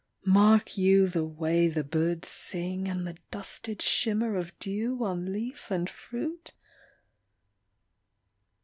Mark you the way The birds sing and the dusted shimmer of dew On leaf and fruit?